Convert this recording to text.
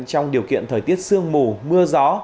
trong điều kiện thời tiết sương mù mưa gió